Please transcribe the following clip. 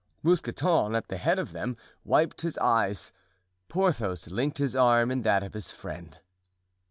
Mousqueton, at the head of them, wiped his eyes. Porthos linked his arm in that of his friend.